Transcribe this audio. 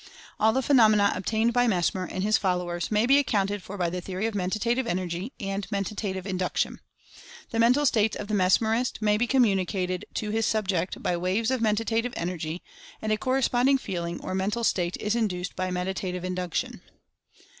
All the phenomena obtained by Mesmer, and his fol lowers, may be accounted for by the theory of Menta tive Energy, and Mentative Induction. The Mental States of the Mesmerist may be communicated to his "subject" by waves of Mentative Energy, and a cor responding feeling or Mental State is induced by Men tative Induction.